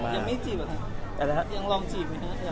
ยังไม่จีบหรอยังลองจีบไหมนะ